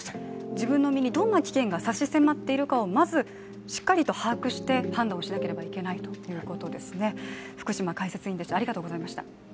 自分のみにどんな危険が差し迫っているかをまずしっかりと把握して判断をしなければいけないということですね。